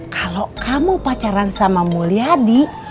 kalau kamu pacaran sama mulyadi